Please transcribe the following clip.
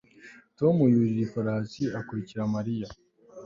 Tom yurira ifarashi akurikira Mariya